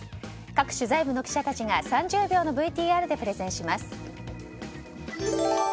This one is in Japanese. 各取材部の記者たちが３０秒のＶＴＲでプレゼンします。